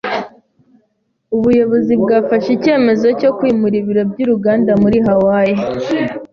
Ubuyobozi bwafashe icyemezo cyo kwimurira ibiro by’uruganda muri Hawaii.